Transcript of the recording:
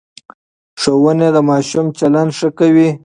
ښوونې د ماشوم چلند ښه کوي.